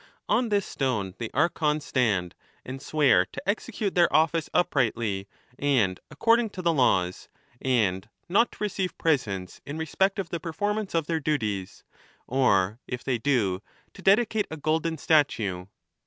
On this stone the Archons stand, and swear to execute their office uprightly and according to the laws, and not to receive presents in respect of the performance of their duties, or, if they do, to dedicate a golden statue.